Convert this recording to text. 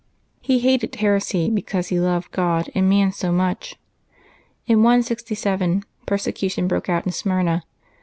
He hated heresy, because he loved God and man so much. In 167, persecution broke out in Smyrna.